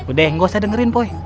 udeh gak usah dengerin poi